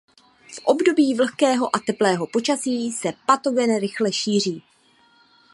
V období vlhkého a teplého počasí se patogen rychle šíří.